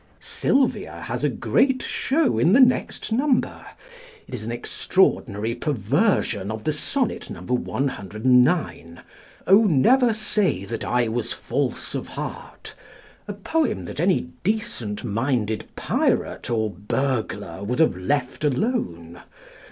Sylvia has a great show in the next number. It is an extraordinary perversion of the Sonnet No. 109, "Oh, never say that I was false of heart," a poem that any decent minded pirate or burglar would have left alone.